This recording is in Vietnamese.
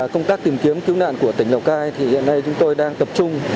công tác tìm kiếm cứu nạn của tỉnh lào cai thì hiện nay chúng tôi đang tập trung